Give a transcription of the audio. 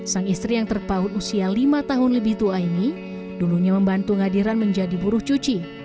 sang istri yang terpaut usia lima tahun lebih tua ini dulunya membantu ngadiran menjadi buruh cuci